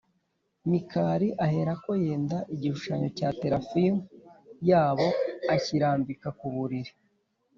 Mikali aherako yenda igishushanyo cya terafimu yabo akirambika ku buriri